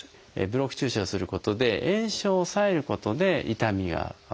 ブロック注射をすることで炎症を抑えることで痛みを取ると。